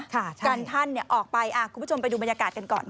กันท่านออกไปคุณผู้ชมไปดูบรรยากาศกันก่อน